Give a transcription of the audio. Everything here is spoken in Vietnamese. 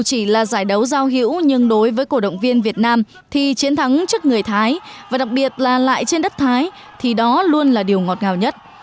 dù chỉ là giải đấu giao hữu nhưng đối với cổ động viên việt nam thì chiến thắng trước người thái và đặc biệt là lại trên đất thái thì đó luôn là điều ngọt ngào nhất